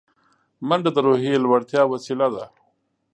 منډه د روحیې لوړتیا وسیله ده